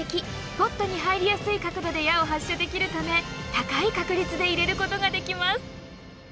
ポットにはいりやすい角度で矢を発射できるため高い確率で入れることができます。